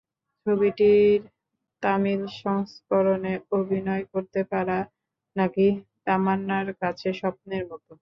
ছবিটির তামিল সংস্করণে অভিনয় করতে পারা নাকি তামান্নার কাছে স্বপ্নের মতো।